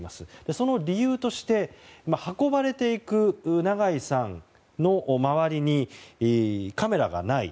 その理由として運ばれていく長井さんの周りにカメラがない。